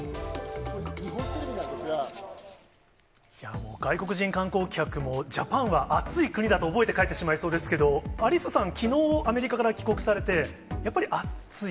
もう、外国人観光客も、ジャパンは暑い国だと覚えて帰ってしまいそうですけど、アリッサさん、きのう、アメリカから帰国されて、やっぱり暑い？